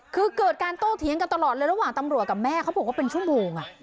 คือเกิดการโต้เถียงกันตลอดเลยระหว่างตำรวจกับแม่เขาบอกว่าเป็นชั่วโมง